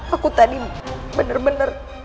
aku tadi bener bener